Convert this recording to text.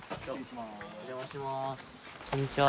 こんにちは。